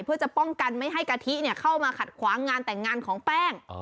เพื่อจะป้องกันไม่ให้กะทิเข้ามาขัดขวางงานแต่งงานของแป้ง